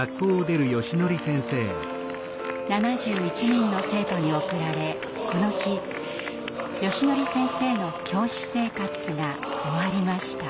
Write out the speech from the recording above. ７１人の生徒に送られこの日よしのり先生の教師生活が終わりました。